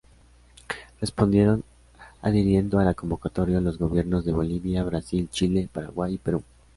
Respondieron adhiriendo a la convocatoria los gobiernos de Bolivia, Brasil, Chile, Paraguay y Perú.